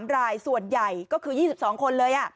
รายส่วนใหญ่ก็คือ๒๒คนเลย